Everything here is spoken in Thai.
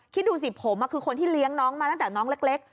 คิดดูสิผมคือคนที่เลี้ยงน้องมาตั้งแต่น้องเล็ก